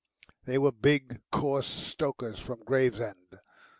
They were big, coarse stokers from Gravesend.